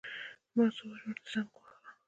ما څو وارې ورته زنګ وواهه.